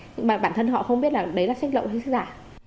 nhưng mà bản thân họ không biết là đấy là sách lậu hay sách giả